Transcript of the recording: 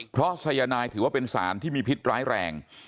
เพราะสายนายถือว่าเป็นสารที่มีพิษร้ายแรง